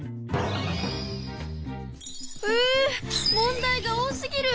う問題が多すぎる！